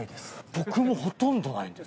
僕もほとんどないんです。